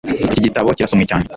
Iki gitabo kirasomwe cyane